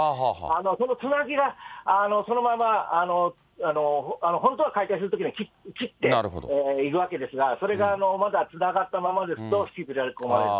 そのつなぎがそのまま本当は解体するときに切っていくわけですが、それがまだつながったままですと、引きずり込まれると。